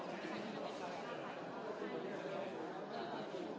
ขอบคุณครับ